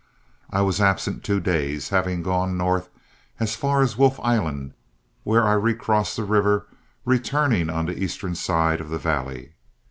I was absent two days, having gone north as far as Wolf Island, where I recrossed the river, returning on the eastern side of the valley.